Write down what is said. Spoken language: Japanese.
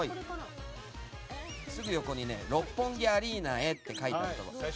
すぐ横に六本木アリーナへって書いてある。